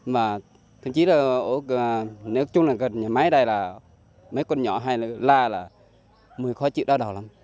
mà thậm chí là ở gần nhà máy đây là mấy con nhỏ hay là la là mùi khó chịu đau đầu lắm